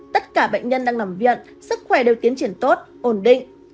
tất cả bệnh nhân đang nằm viện sức khỏe đều tiến triển tốt ổn định